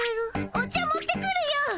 お茶持ってくるよ。